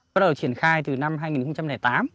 bắt đầu triển khai từ năm hai nghìn tám